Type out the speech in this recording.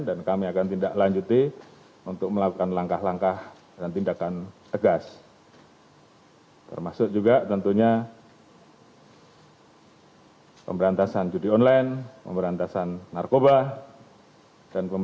dan kami akan tindak lanjuti untuk melakukan